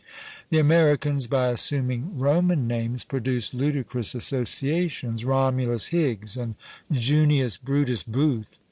The Americans, by assuming Roman names, produce ludicrous associations; Romulus Higgs, and Junius Brutus Booth.